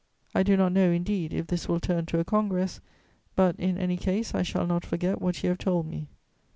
"I do not know, indeed, if this will turn to a congress; but, in any case, I shall not forget what you have told me.